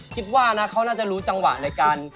คิดว่านะเขาน่าจะรู้จังหวะในการ